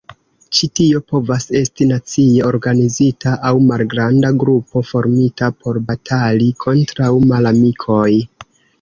Ĉi tio povas esti nacie organizita aŭ malgranda grupo formita por batali kontraŭ malamikoj.